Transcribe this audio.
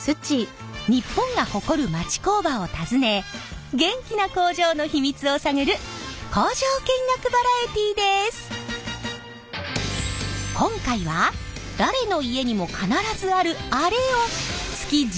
日本が誇る町工場を訪ね元気な工場の秘密を探る今回は誰の家にも必ずあるあれを月１０万箱作っている工場。